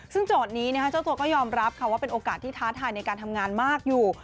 ซึ่งโจทย์นี้เจ้าตัวก็ยอมรับค่ะว่าเป็นโอกาสที่ท้าทายในการทำงานมากอยู่